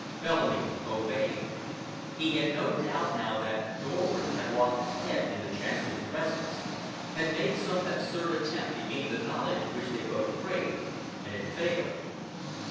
Bellamy obeyed. He had no doubt now but that Dorward had lost his head in the Chancellor's presence—had made some absurd attempt to gain the knowledge which they both craved, and had failed.